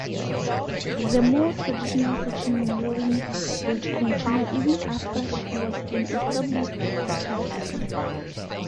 The more traditional fashion modeling would continue even after she was an established actress.